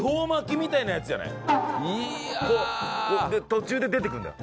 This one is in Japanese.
途中で出てくるんだよ。